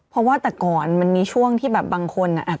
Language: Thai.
เพราะว่าแต่ก่อนมันมีช่วงที่แบบบางคนอ่ะ